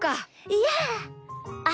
いやあ。